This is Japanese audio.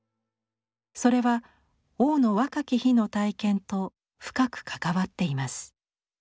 それは王の若き日の体験と深く関わっています。